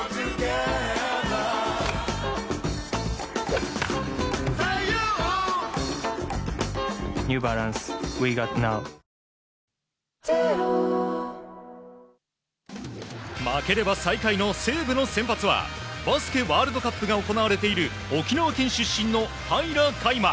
サントリー「金麦」負ければ最下位の西武の先発は、バスケワールドカップが行われている沖縄県出身の平良海馬。